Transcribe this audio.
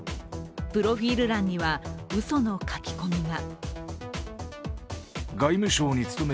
プロフィール欄にはうその書き込みが。